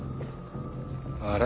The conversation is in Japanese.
あれ？